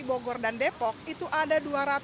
bogor dan depok itu ada dua ratus delapan puluh satu